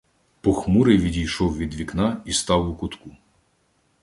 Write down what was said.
Похмурий відійшов від вікна і став у кутку.